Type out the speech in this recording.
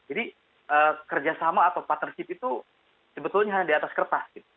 jadi kerjasama atau partnership itu sebetulnya hanya di atas kertas